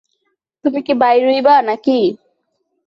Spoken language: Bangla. তুমি কি বাইরোইবা নাকি?